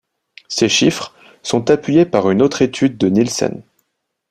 Ces chiffres sont appuyés par une autre étude de Nielsen.